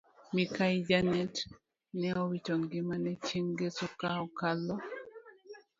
Mikai janet neowito ngimane chieng ngeso kaokalo